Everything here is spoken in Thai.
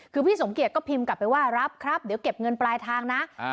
คือพี่สมเกียจก็พิมพ์กลับไปว่ารับครับเดี๋ยวเก็บเงินปลายทางนะ